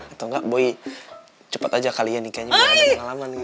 atau enggak boy cepet aja kali ya nih kayaknya gak ada pengalaman gitu